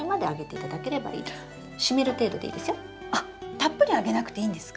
たっぷりあげなくていいんですか？